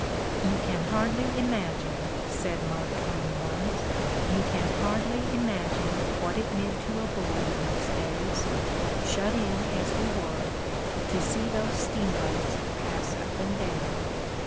"You can hardly The Candidate for Life 47 imagine," said Mark Twain once, "you can hardly imagine what it meant to a boy in those days, shut in as we were, to see those steamboats pass up and down."